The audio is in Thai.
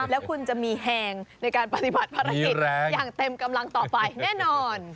แล้วคุณจะมีแห่งในการปฏิบัติภารกิจอย่างเต็มกำลังต่อไปแน่นอน